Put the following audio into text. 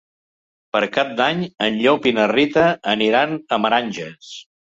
Per Cap d'Any en Llop i na Rita aniran a Meranges.